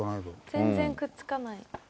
全然くっつかない。